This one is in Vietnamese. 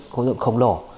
khổ dụng khổng lồ